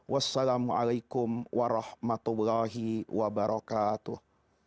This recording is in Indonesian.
wassalamualaikum warahmatullahi wabarakatuh